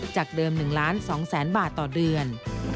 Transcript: จากเดิม๑๒ล้านบาทต่อเดือน